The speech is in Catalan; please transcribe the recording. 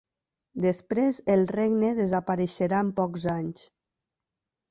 Després el regne desapareixerà en pocs anys.